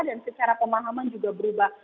dan secara pemahaman juga berubah